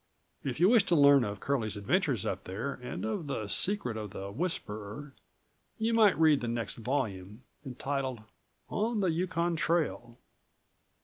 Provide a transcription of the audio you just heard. If you wish to learn of Curlie's adventures up there and of the secret of the whisperer, you must read the next volume, entitled "On the Yukon Trail."